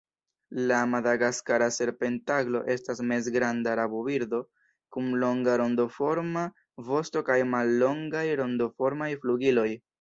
La Madagaskara serpentaglo estas mezgranda rabobirdo kun longa rondoforma vosto kaj mallongaj rondoformaj flugiloj.